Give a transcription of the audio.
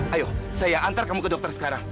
ayo saya antar kamu ke dokter sekarang